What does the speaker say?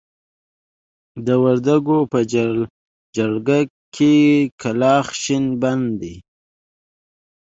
د وردکو په جلګه کې کلاخ شين بڼ دی.